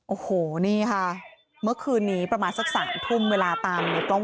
โอ้โหนี่ค่ะเมื่อคืนนี้ประมาณสัก๓ทุ่มเวลาตามในกล้อง